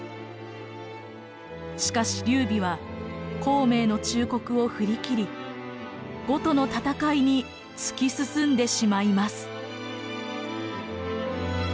しかし劉備は孔明の忠告を振り切り呉との戦いに突き進んでしまいます。